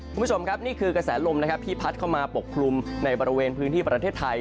คุณผู้ชมครับนี่คือกระแสลมนะครับที่พัดเข้ามาปกคลุมในบริเวณพื้นที่ประเทศไทย